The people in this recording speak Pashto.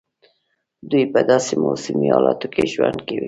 دوی په داسي موسمي حالاتو کې ژوند کوي.